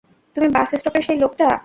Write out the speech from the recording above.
তুমি বাস স্টপের সেই লোকটা।